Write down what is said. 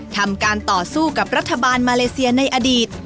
ทำการต่อสู้กับรัฐบาลมาเลเซียในอดีต